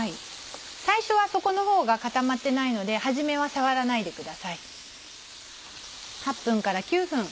最初は底のほうが固まってないので初めは触らないでください。